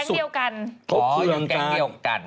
อยู่ในแก๊งเดียวกัน